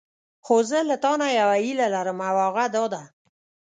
خو زه له تانه یوه هیله لرم او هغه دا ده.